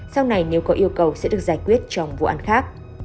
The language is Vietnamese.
sau này nếu có yêu cầu sẽ được giải quyết trong vụ án khác